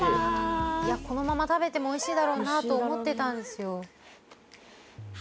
いやこのまま食べてもおいしいだろうなと思ってたんですよ。